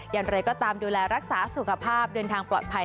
อย่างไรก็ตามดูแลรักษาสุขภาพเดินทางปลอดภัย